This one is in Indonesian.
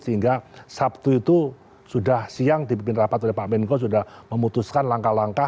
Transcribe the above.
sehingga sabtu itu sudah siang dipimpin rapat oleh pak menko sudah memutuskan langkah langkah